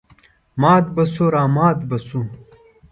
مات به شوو رامات به شوو.